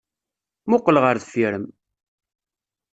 Muqel ɣer deffir-m!